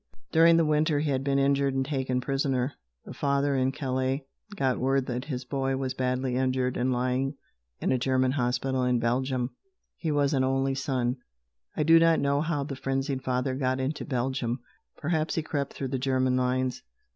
During the winter he had been injured and taken prisoner. The father, in Calais, got word that his boy was badly injured and lying in a German hospital in Belgium. He was an only son. I do not know how the frenzied father got into Belgium. Perhaps he crept through the German lines.